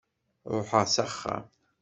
Ruḥeɣ s axxam.